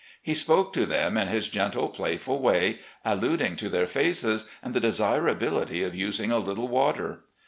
He spoke to them in his gentle, playful way, alluding to their faces and the desira bility of using a little water.